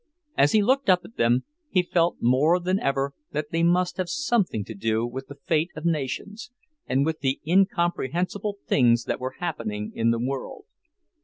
As he looked up at them, he felt more than ever that they must have something to do with the fate of nations, and with the incomprehensible things that were happening in the world.